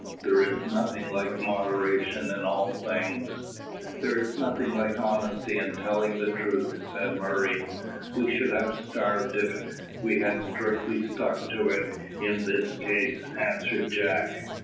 There is nothing like moderation in all things." "There is nothing like honesty and telling the truth," said Murray. "We should have starved if we had strictly stuck to it in this case," answered Jack.